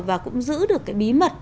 và cũng giữ được cái bí mật